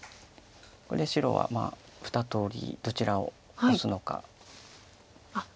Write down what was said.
ここで白は２通りどちらをオスのか。